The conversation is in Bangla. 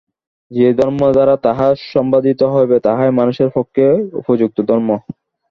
যে ধর্ম দ্বারা তাহা সম্পাদিত হইবে, তাহাই মানুষের পক্ষে উপযুক্ত ধর্ম।